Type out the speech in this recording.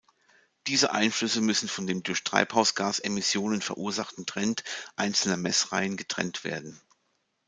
Diese Einflüsse müssen von dem durch Treibhausgasemissionen verursachten Trend einzelner Messreihen getrennt werden.